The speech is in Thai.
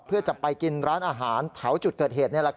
เพื่อจะไปกินร้านอาหารแถวจุดเกิดเหตุ